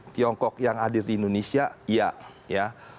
tiongkok yang hadir di indonesia iya ya